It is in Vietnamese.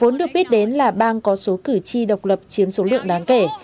vốn được biết đến là bang có số cử tri độc lập chiếm số lượng đáng kể